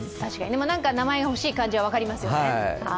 でも名前がほしい感じは分かりますよね。